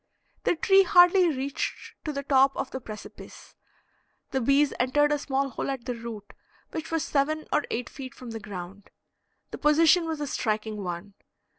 The tree hardly reached to the top of the precipice. The bees entered a small hole at the root, which was seven or eight feet from the ground. The position was a striking one.